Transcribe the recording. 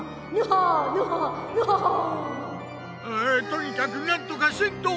とにかくなんとかせんと。